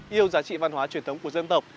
yêu giá trị văn hóa truyền thống của dân tộc